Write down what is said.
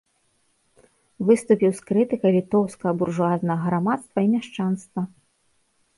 Выступіў з крытыкай літоўскага буржуазнага грамадства і мяшчанства.